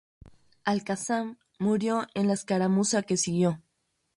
Al-Qassam murió en la escaramuza que siguió.